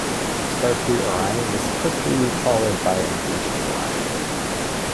"Starfleet Orion" was quickly followed by "Invasion Orion".